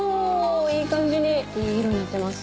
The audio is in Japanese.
いい感じにいい色になってます。